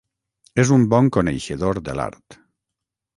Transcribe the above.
És un bon coneixedor de l'art.